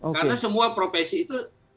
karena semua profesi itu